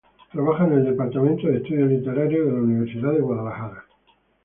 Trabaja en el Departamento de Estudios Literarios de la Universidad de Guadalajara.